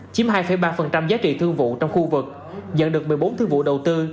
chiếm hai ba giá trị thương vụ trong khu vực nhận được một mươi bốn thương vụ đầu tư